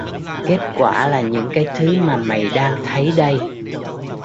Kết quả là những cái thứ mà mày đang thấy đây